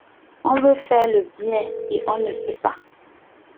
On veut faire le bien et on ne peut pas.